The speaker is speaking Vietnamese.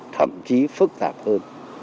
thậm chí phức tạp hơn